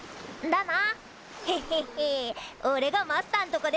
だな。